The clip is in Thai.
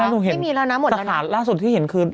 ไม่อยู่แล้วนะคะไม่มีแล้วนะหมดแล้วสาขาล่าสุดที่เห็นคือ